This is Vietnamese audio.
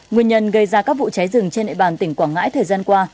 nguyên nhân gây ra các vụ cháy rừng trên nệ bàng tỉnh quảng ngãi thời gian qua